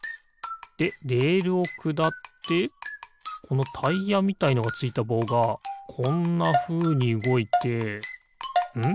でレールをくだってこのタイヤみたいのがついたぼうがこんなふうにうごいてん？